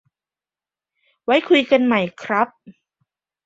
ไว้คุยกันใหม่ครับ